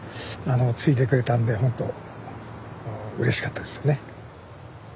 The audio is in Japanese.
継いでくれたんでほんとうれしかったですよね。